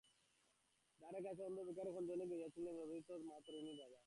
দ্বারের কাছে অন্ধ ভিখারি খঞ্জনি বাজাইয়া গাহিতেছিল, চরণতরণী দে মা, তারিণী তারা।